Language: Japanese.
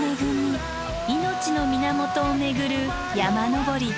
命の源を巡る山登りです。